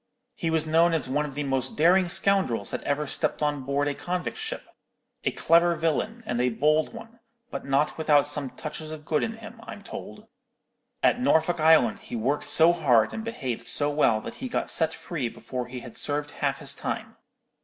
He was known as one of the most daring scoundrels that ever stepped on board a convict ship; a clever villain, and a bold one, but not without some touches of good in him, I'm told. At Norfolk Island he worked so hard and behaved so well that he got set free before he had served half his time.